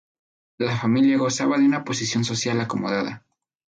La familia gozaba de una posición social acomodada.